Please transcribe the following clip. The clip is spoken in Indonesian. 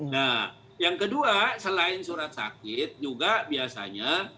nah yang kedua selain surat sakit juga biasanya